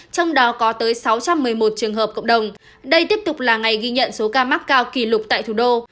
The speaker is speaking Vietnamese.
trong đó có tới sáu trăm một mươi một trường hợp cộng đồng đây tiếp tục là ngày ghi nhận số ca mắc cao kỷ lục tại thủ đô